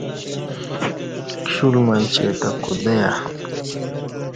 کشل منچے تہ کدہ یا